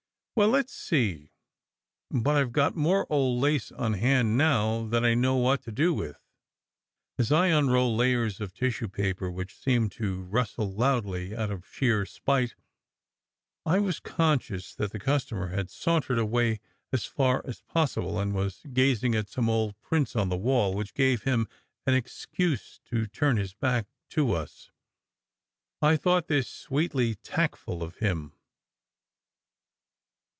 "Well! Let s see! But I ve got more old lace on hand now than I know what to do with." As I unrolled layers of tissue paper which seemed to rustle loudly out of sheer spite, I was conscious that the customer had sauntered away as far as possible, and was gazing at some old prints on the wall which gave him an excuse to turn his back to us. I thought this sweetly tact ful of him.